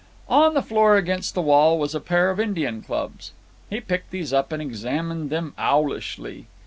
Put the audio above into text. On the floor against the wall was a pair of Indian clubs. He picked these up and examined them owlishly.